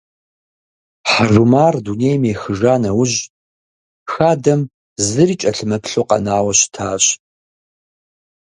Хьэжумар дунейм ехыжа нэужь, хадэм зыри кӏэлъымыплъу къэнауэ щытащ.